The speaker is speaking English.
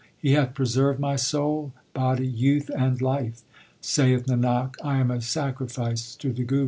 He hath preserved my soul, body, youth, and life. Saith Nanak, I am a sacrifice to the Guru.